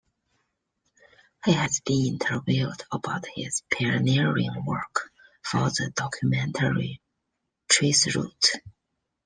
He has been interviewed about his pioneering work for the documentary Traceroute.